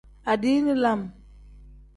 Adiini lam.